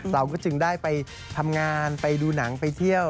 เราก็จึงได้ไปทำงานไปดูหนังไปเที่ยว